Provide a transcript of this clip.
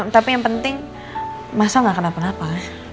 tapi yang penting mas al gak kenapa napa